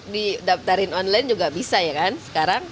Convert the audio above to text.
di daftarin online juga bisa ya kan sekarang